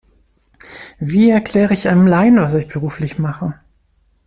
Wie erkläre ich einem Laien, was ich beruflich mache?